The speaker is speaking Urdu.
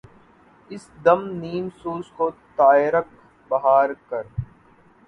اس دم نیم سوز کو طائرک بہار کر